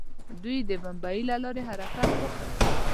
دوی د بمیي له لارې حرکت وکړ.